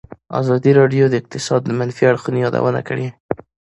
ازادي راډیو د اقتصاد د منفي اړخونو یادونه کړې.